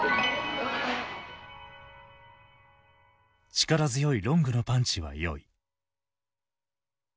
「力強いロングのパンチは良い」。